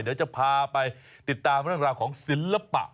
เดี๋ยวจะพาไปติดตามเรื่องราวของศิลปะ